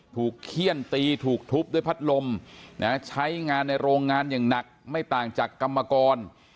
เขี้ยนตีถูกทุบด้วยพัดลมใช้งานในโรงงานอย่างหนักไม่ต่างจากกรรมกร